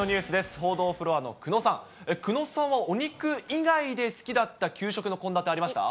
報道フロアの久野さん、久野さんはお肉以外で好きだった給食の献立ありました？